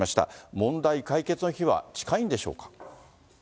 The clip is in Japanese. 問題解決の日は近いんでしょうか。